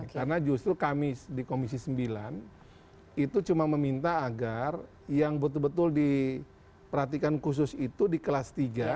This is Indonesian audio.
karena justru kami di komisi sembilan itu cuma meminta agar yang betul betul diperhatikan khusus itu di kelas tiga